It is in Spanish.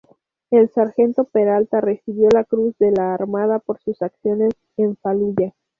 El sargento Peralta recibió la Cruz de la Armada por sus acciones en Faluya.